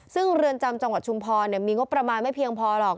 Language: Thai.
ซึ่งเรือนจำจังหวัดชุมพรมีงบประมาณไม่เพียงพอหรอก